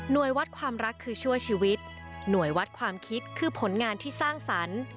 โดยวัดความรักคือชั่วชีวิตหน่วยวัดความคิดคือผลงานที่สร้างสรรค์